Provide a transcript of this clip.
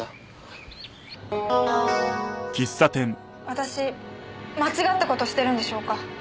私間違った事をしてるんでしょうか？